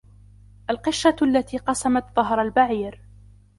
القشة التي قصمت ظهر البعير.